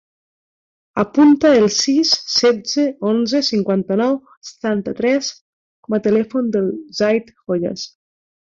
Apunta el sis, setze, onze, cinquanta-nou, setanta-tres com a telèfon del Zayd Hoyas.